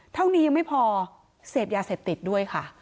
เท่านี้ยังไม่พอเสพยาเสพติดด้วยค่ะ